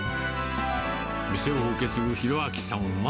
店を受け継ぐ宏明さんは。